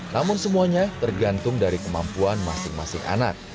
namun semuanya tergantung dari kemampuan masing masing anak